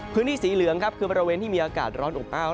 พื้นที่สีเหลืองครับคือบริเวณที่มีอากาศร้อนอบอ้าว